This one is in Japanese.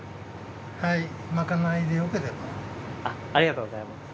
ありがとうございます。